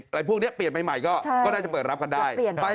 อะไรพวกนี้เปลี่ยนไปใหม่ก็ได้จะเปิดรับกันได้